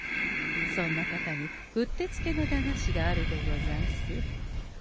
そんな方にうってつけの駄菓子があるでござんす。